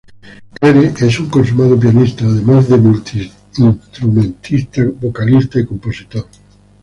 Cleary es un consumado pianista, además de multinstrumentista, vocalista y compositor.